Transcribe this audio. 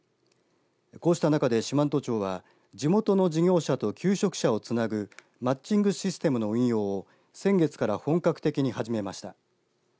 こうした中で四万十町は地元の事業者と求職者をつなぐマッチングシステムの運用を先月から本格的に始めました。